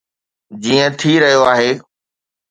جيئن ٿي رهيو آهي.